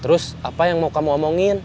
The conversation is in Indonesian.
terus apa yang mau kamu omongin